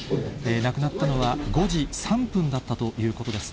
亡くなったのは５時３分だったということです。